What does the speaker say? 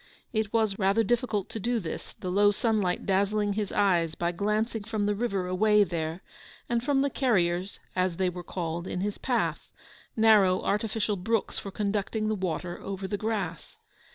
It was rather difficult to do this, the low sunlight dazzling his eyes by glancing from the river away there, and from the 'carriers' (as they were called) in his path—narrow artificial brooks for conducting the water over the grass.